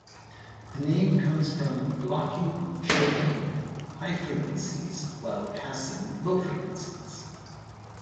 The name comes from blocking-"choking"-high frequencies while passing low frequencies.